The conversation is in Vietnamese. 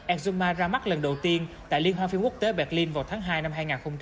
exuma ra mắt lần đầu tiên tại liên hoa phiên quốc tế berlin vào tháng hai năm hai nghìn hai mươi bốn